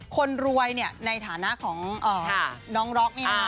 คนรวยในฐานะของน้องร็อกนี่นะ